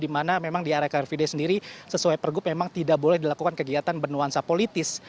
di mana memang di area car free day sendiri sesuai pergub memang tidak boleh dilakukan kegiatan bernuansa politis